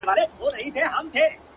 او بېوفايي . يې سمه لکه خور وگڼه.